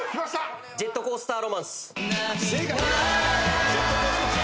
『ジェットコースター・ロマンス』正解。